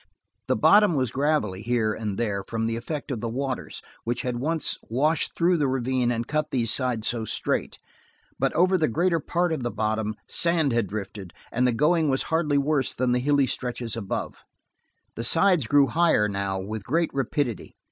The bottom was gravelly, here and there, from the effect of the waters which had once washed through the ravine and cut these sides so straight, but over the greater part of the bottom sand had drifted, and the going was hardly worse than the hilly stretches above. The sides grew higher, now, with great rapidity.